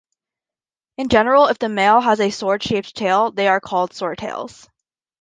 In general, if the male has a sword-shaped tail, they are called swordtails.